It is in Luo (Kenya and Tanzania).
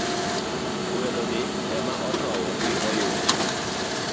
Gweno ni ema otoyo gi oyuech.